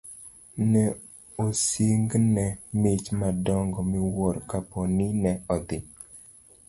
Ne osingne mich madongo miwuoro kapo ni ne odhi